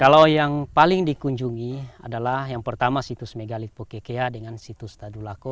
kalau yang paling dikunjungi adalah yang pertama situs megalith pokekea dengan situs tadulako